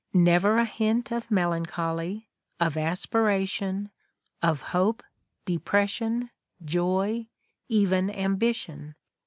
Never a hint of melancholy, of aspiration, of hope, depression, joy, even ambition